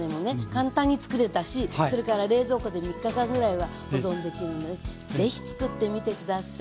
簡単につくれたしそれから冷蔵庫で３日間ぐらいは保存できるので是非つくってみて下さい。